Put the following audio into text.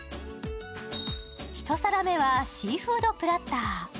１皿目はシーフードプラッター。